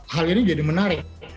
hal ini jadi menarik